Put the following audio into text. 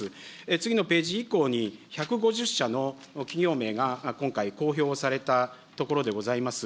次のページ以降に１５０社の企業名が、今回公表されたところでございます。